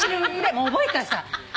もう覚えた。